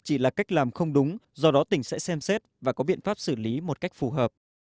chỉ là cách làm không đúng do đó tỉnh sẽ xem xét và có biện pháp xử lý một cách phù hợp